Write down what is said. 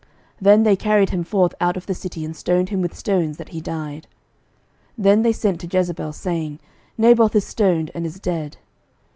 Then they carried him forth out of the city, and stoned him with stones, that he died. 11:021:014 Then they sent to Jezebel, saying, Naboth is stoned, and is dead.